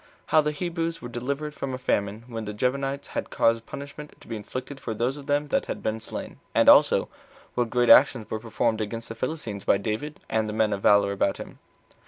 How The Hebrews Were Delivered From A Famine When The Gibeonites Had Caused Punishment To Be Inflicted For Those Of Them That Had Been Slain: As Also, What Great Actions Were Performed Against The Philistines By David, And The Men Of Valor About Him.